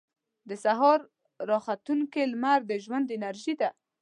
• د سهار راختونکې لمر د ژوند انرژي ده.